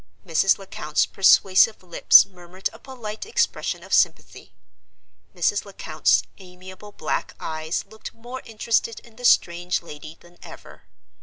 Mrs. Lecount's persuasive lips murmured a polite expression of sympathy; Mrs. Lecount's amiable black eyes looked more interested in the strange lady than ever.